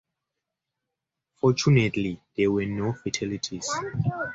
Fortunately, there were no fatalities.